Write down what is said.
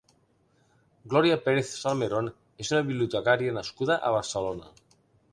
Glòria Pérez-Salmerón és una bibliotecària nascuda a Barcelona.